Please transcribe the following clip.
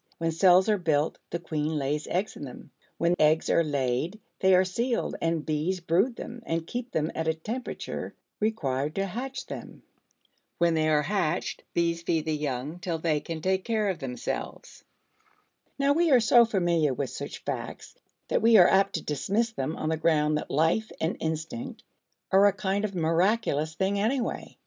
When cells are built, the queen lays eggs in them; when eggs are laid, they are sealed and bees brood them and keep them at a temperature required to hatch them. When they are hatched, bees feed the young till they can take care of themselves. Now we are so familiar with such facts, that we are apt to dismiss them on the ground that life and instinct are a kind of miraculous thing anyway.